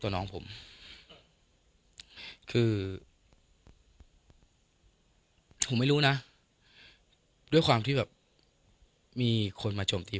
น้องผมคือผมไม่รู้นะด้วยความที่แบบมีคนมาชมทีม